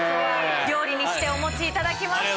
料理にしてお持ちいただきました